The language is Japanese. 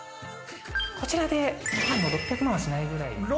こちらで６００万はしないぐらいです。